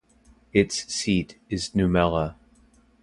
Its seat is Nummela.